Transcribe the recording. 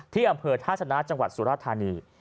ที่อำเภอธาชนาเจ้าหวัดสุรทานี